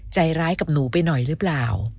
ใจร้ายกับหนูไปหน่อยหรือเปล่า